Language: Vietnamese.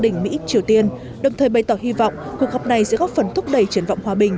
đỉnh triều tiên đồng thời bày tỏ hy vọng cuộc gặp này sẽ góp phần thúc đẩy triển vọng hòa bình